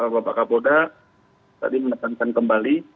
bapak kapolda tadi menekankan kembali